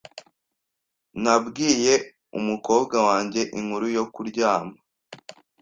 Nabwiye umukobwa wanjye inkuru yo kuryama .